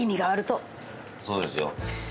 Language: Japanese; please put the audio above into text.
そうですよ。